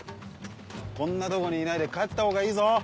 こんなとこにいないで帰ったほうがいいぞ？